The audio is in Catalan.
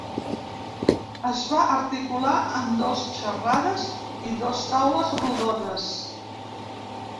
Es va articular en dos xarrades i dos taules rodones.